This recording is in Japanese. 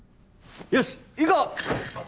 よし！